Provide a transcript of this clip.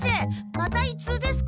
またいつうですか？